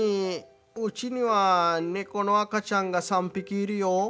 うちには猫の赤ちゃんが３匹いるよ。